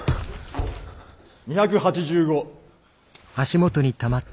２８５。